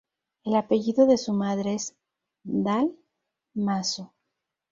El apellido de su madre es Dal Maso.